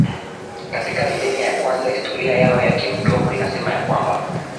Katika milenia ya kwanza historia yao ya kimdomo inasema ya kwamba